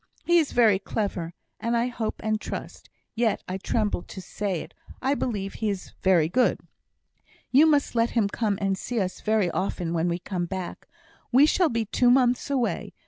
He is very clever, and I hope and trust, yet I tremble to say it, I believe he is very good." "You must let him come and see us very often when we come back. We shall be two months away.